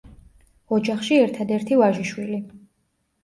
ოჯახში ერთადერთი ვაჟიშვილი.